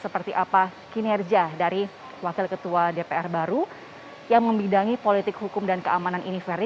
seperti apa kinerja dari wakil ketua dpr baru yang membidangi politik hukum dan keamanan ini ferry